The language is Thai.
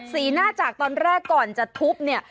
สีหน้าจากตอนแรกก่อนจะทุบเนี่ย